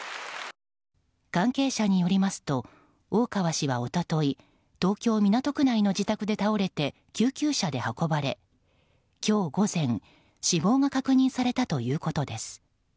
関係者によりますと大川氏は一昨日東京・港区の自宅で倒れ救急車で運ばれ今日午前、死亡が確認されたということです。